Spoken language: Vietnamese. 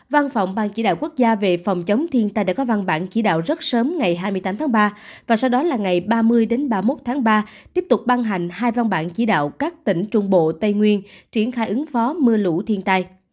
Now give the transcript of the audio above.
văn phòng ban chỉ đạo quốc gia về phòng chống thiên tai đã có văn bản chỉ đạo rất sớm ngày hai mươi tám tháng ba và sau đó là ngày ba mươi ba mươi một tháng ba tiếp tục ban hành hai văn bản chỉ đạo các tỉnh trung bộ tây nguyên triển khai ứng phó mưa lũ thiên tai